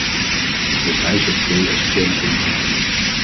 Ik wil wijzen op twee essentiële punten.